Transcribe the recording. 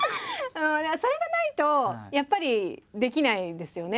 それがないとやっぱりできないですよね。